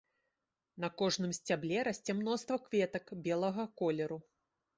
На кожным сцябле расце мноства кветак белага колеру.